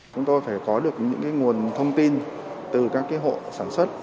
chúng tôi phải có được những cái nguồn thông tin từ các cái hộ sản xuất